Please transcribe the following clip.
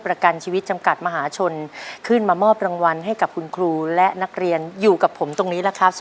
ประกันชีวิตจำกัดมหาชนขึ้นมามอบรางวัลให้กับคุณครูและนักเรียน